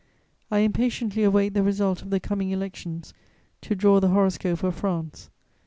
"I impatiently await the result of the coming elections to draw the horoscope of France.